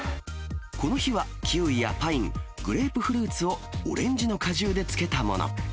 この日はキウイやパイン、グレープフルーツをオレンジの果汁で漬けたもの。